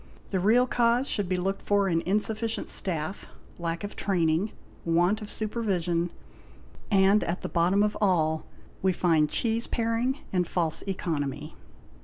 The real cause should be looked for in insufficient staff, lack of training, want of supervision,—and at the bottom of all we find cheese paring and false economy.